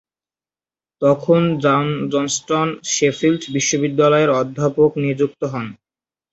তখন Johnston Sheffield বিশ্ববিদ্যালয়ের অধ্যাপক নিযুক্ত হন।